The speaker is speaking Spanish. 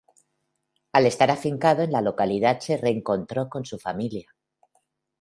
Al estar afincado en la localidad se reencontró con su familia.